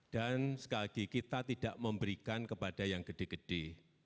dan sekali lagi kita tidak memberikan kepada yang gede gede